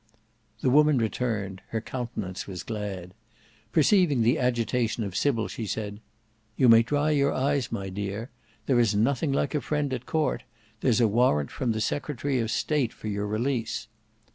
The woman returned; her countenance was glad. Perceiving the agitation of Sybil, she said, "You may dry your eyes my dear. There is nothing like a friend at court; there's a warrant from the Secretary of State for your release."